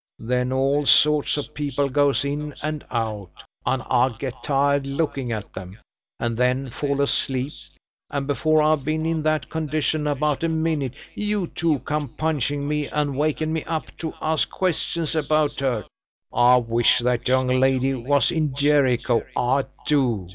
Then all sorts of people goes in and out, and I get tired looking at them, and then fall asleep, and before I've been in that condition about a minute, you two come punching me and waken me up to ask questions about her! I wish that young lady was in Jerico I do!"